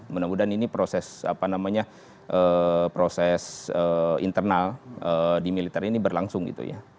mudah mudahan ini proses apa namanya proses internal di militer ini berlangsung gitu ya